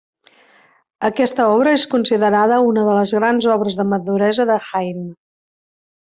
Aquesta obra és considerada una de les grans obres de maduresa de Haydn.